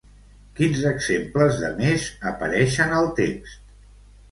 Quins exemples de mes apareixen al text?